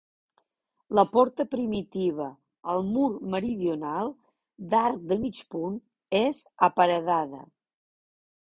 La porta primitiva, al mur meridional, d'arc de mig punt, és aparedada.